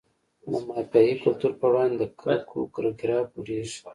د مافیایي کلتور په وړاندې د کرکو ګراف لوړیږي.